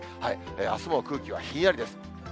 あすも空気はひんやりです。